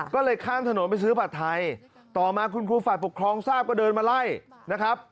ก็เลยข้ามถนนไปซื้อผัดไทยต่อมาคุณครูฝ่ายปกครองทราบก็เดินมาไล่นะครับ